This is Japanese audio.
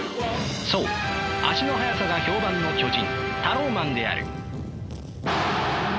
そう足の速さが評判の巨人タローマンである。